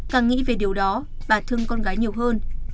càng nghĩ về điều đó bà thương con gái nhiều hơn